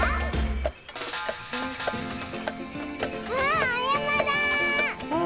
あおやまだ！